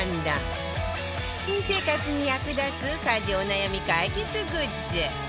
新生活に役立つ家事お悩み解決グッズ